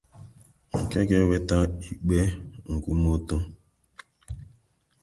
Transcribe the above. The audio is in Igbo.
nke ga-eweta ikpe nkwụmọtọ